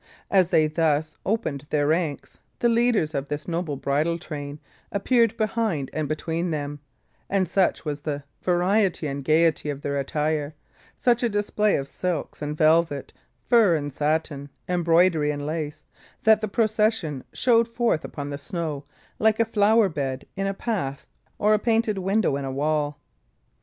As they thus opened their ranks, the leaders of this noble bridal train appeared behind and between them; and such was the variety and gaiety of their attire, such the display of silks and velvet, fur and satin, embroidery and lace, that the procession showed forth upon the snow like a flower bed in a path or a painted window in a wall.